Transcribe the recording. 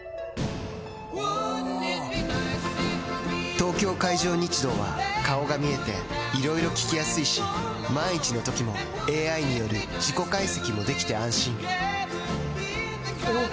東京海上日動は顔が見えていろいろ聞きやすいし万一のときもＡＩによる事故解析もできて安心おぉ！